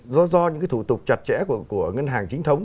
do do những cái thủ tục chặt chẽ của ngân hàng chính thống